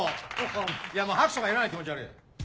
拍手とかいらない気持ち悪い。